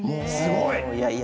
すごい！